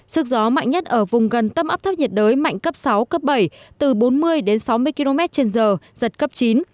sức gió mạnh nhất ở vùng gần tâm áp thấp nhiệt đới mạnh cấp sáu cấp bảy từ bốn mươi đến sáu mươi km trên giờ giật cấp chín